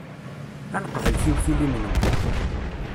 Ad neqbel tiwtilin-nwen.